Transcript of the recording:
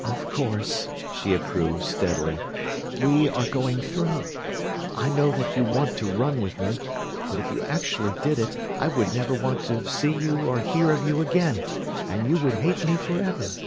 "Of course," she approved, steadily. "We are going through. I know that you want to run with me, but if you actually did it, I would never want to see you or hear of you again, and you would hate me forever."